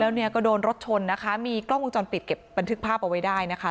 แล้วเนี่ยก็โดนรถชนนะคะมีกล้องวงจรปิดเก็บบันทึกภาพเอาไว้ได้นะคะ